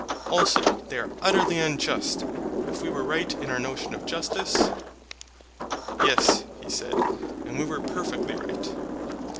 Also they are utterly unjust, if we were right in our notion of justice? Yes, he said, and we were perfectly right.